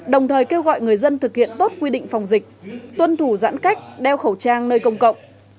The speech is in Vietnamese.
đồng thời kêu gọi người dân thực hiện tốt quy định phòng dịch tuân thủ giãn cách đeo khẩu trang nơi công cộng